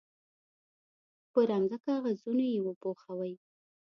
په رنګه کاغذونو یې وپوښوئ.